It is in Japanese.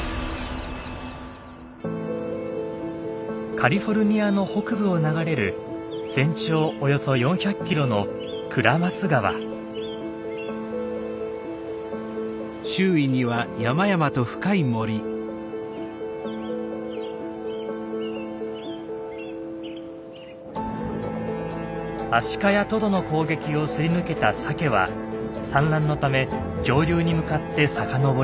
カリフォルニアの北部を流れる全長およそ４００キロのアシカやトドの攻撃をすり抜けたサケは産卵のため上流に向かって遡ります。